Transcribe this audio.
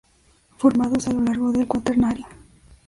Formados a lo largo del Cuaternario.